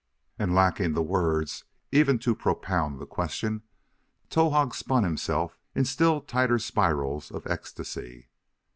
And, lacking the words even to propound that question, Towahg spun himself in still tighter spirals of ecstasy.